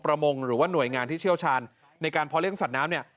มงหรือว่าหน่วยงานที่เชี่ยวชาญในการพอเลี้ยสัตว์น้ำเนี่ย